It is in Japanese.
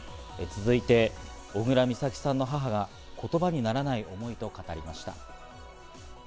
続いて、小倉美咲さんの母が言葉にならない想いと語りました。